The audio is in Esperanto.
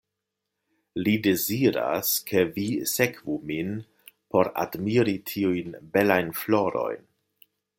Li deziras, ke vi sekvu min por admiri tiujn belajn florojn.